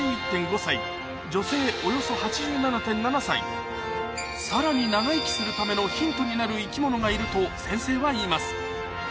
現在さらに長生きするためのヒントになる生き物がいると先生は言います